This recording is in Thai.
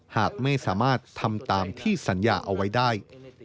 หากไม่สามารถทำตามที่สัญญาเอาไว้ได้